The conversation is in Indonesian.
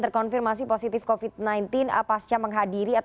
oke oke kita berharap supaya tidak ada lagi siswa siswa yang menimpa kejadian